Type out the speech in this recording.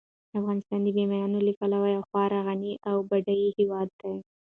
افغانستان د بامیان له پلوه یو خورا غني او بډایه هیواد دی.